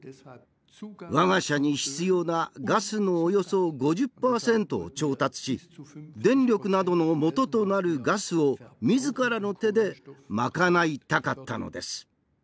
我が社に必要なガスのおよそ５０％を調達し電力などのもととなるガスをみずからの手で賄いたかったのです。